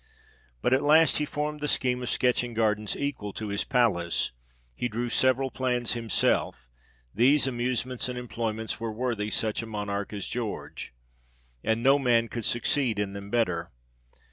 But at last he formed the scheme of sketching gardens equal to his palace : he drew several plans himself; these amusements and employments were 96 THE REIGN OF GEORGE VI. worthy such a Monarch as George, and no man could succeed in them better.